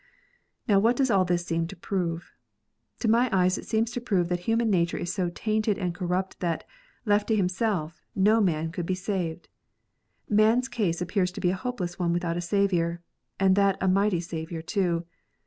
]S"ow what does all this seem to prove 1 To my eyes it seems to prove that human nature is so tainted and corrupt that, left to himself, no man could be saved. Man s case appears to be a hopeless one without a Saviour, and that a mighty Saviour too.